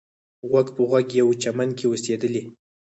غوږ په غوږ یوه چمن کې اوسېدلې.